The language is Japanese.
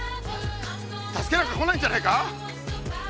助けなんか来ないんじゃないか？